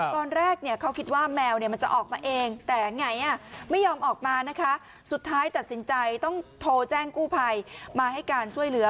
ตอนแรกเขาคิดว่าแมวมันจะออกมาเองแต่ไงไม่ยอมออกมานะคะสุดท้ายตัดสินใจต้องโทรแจ้งกู้ภัยมาให้การช่วยเหลือ